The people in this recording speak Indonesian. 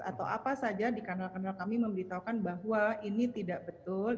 atau apa saja di kanal kanal kami memberitahukan bahwa ini tidak betul